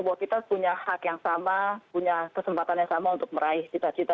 bahwa kita punya hak yang sama punya kesempatan yang sama untuk meraih cita cita